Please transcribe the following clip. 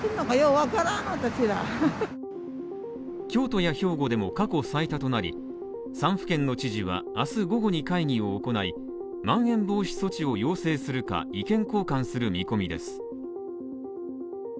京都や兵庫でも過去最多となり、３府県の知事はあす午後に会議を行い、まん延防止措置を要請するか、意見交換する見込みです。